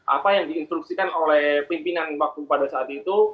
apa yang diinstruksikan oleh pimpinan waktu pada saat itu